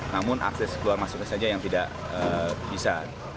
namun akses keluar masuknya saja yang tidak bisa